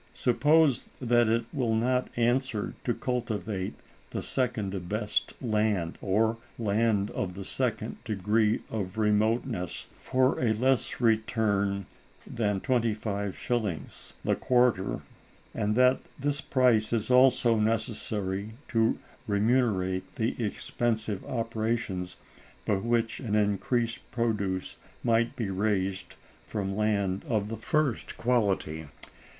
Suppose that it will not answer to cultivate the second best land, or land of the second degree of remoteness, for a less return than 25_s._ the quarter; and that this price is also necessary to remunerate the expensive operations by which an increased produce might be raised from land of the first quality.